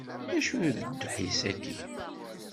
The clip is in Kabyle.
D acu d ddḥis-ayi?